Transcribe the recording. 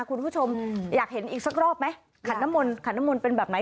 คุณผู้ชมอยากเห็นอีกสักรอบไหมขันน้ำมนตขันน้ำมนต์เป็นแบบไหน